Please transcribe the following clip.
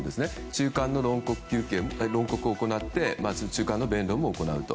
中間の論告を行ってまず中間の弁論を行うと。